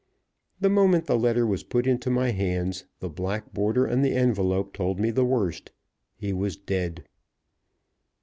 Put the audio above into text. The moment the letter was put into my hands, the black border on the envelope told me the worst. He was dead.